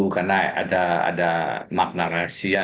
karena ada makna